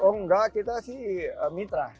oh enggak kita sih mitra